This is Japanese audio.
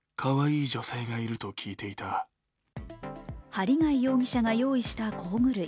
針谷容疑者が用意した工具類。